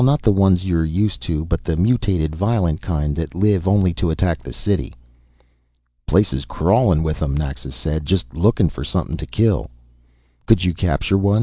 Not the ones you're used to, but the mutated, violent kind that live only to attack the city." "Place's crawling with 'em," Naxa said, "just lookin' for somethin' t'kill." "Could you capture one?"